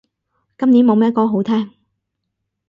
今年冇咩歌好聼